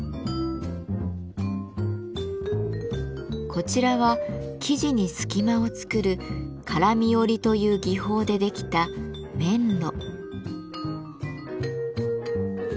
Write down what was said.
こちらは生地に隙間を作る「からみ織」という技法でできた「綿絽」。